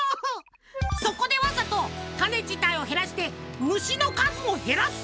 そこでわざと種自体を減らして虫の数も減らすんだ。